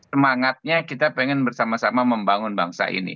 semangatnya kita pengen bersama sama membangun bangsa ini